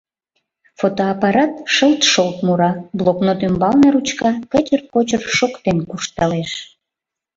Фотоаппарат шылт-шолт мура, блокнот ӱмбалне ручка кычыр-кочыр шоктен куржталеш.